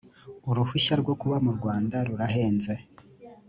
uruhushya rwo kuba murwanda rurahenze